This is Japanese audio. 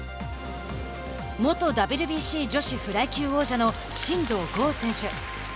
元ＷＢＣ女子フライ級王者の真道ゴー選手。